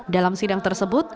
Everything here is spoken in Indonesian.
dalam sidang tersebut